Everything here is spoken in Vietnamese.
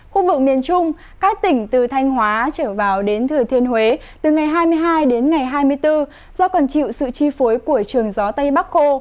khu vực miền trung các tỉnh từ thanh hóa trở vào đến thừa thiên huế từ ngày hai mươi hai đến ngày hai mươi bốn do còn chịu sự chi phối của trường gió tây bắc khô